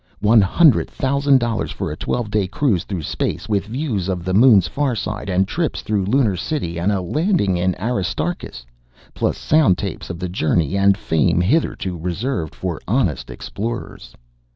One hundred thousand dollars for a twelve day cruise through space, with views of the Moon's far side and trips through Lunar City and a landing in Aristarchus, plus sound tapes of the journey and fame hitherto reserved for honest explorers!